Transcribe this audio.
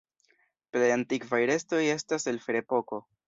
Plej antikvaj restoj estas el Ferepoko.